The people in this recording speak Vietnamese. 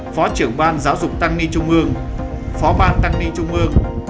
phó trưởng ban giáo dục tăng ni trung ương phó ban tăng ni trung ương